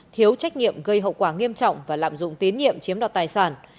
thiếu trách nhiệm gây hậu quả nghiêm trọng và lạm dụng tín nhiệm chiếm đoạt tài sản